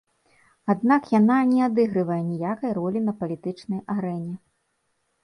Аднак яна не адыгрывае ніякай ролі на палітычнай арэне.